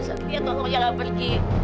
satria tolong jangan pergi